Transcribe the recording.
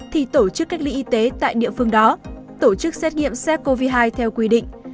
thì tổ chức cách ly y tế tại địa phương đó tổ chức xét nghiệm sars cov hai theo quy định